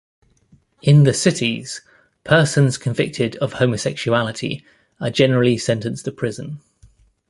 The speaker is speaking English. In the cities, persons convicted of homosexuality are generally sentenced to prison.